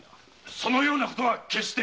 そのようなことは決して。